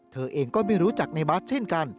เธอเองก็ไม่รู้จักในบาสเช่นกัน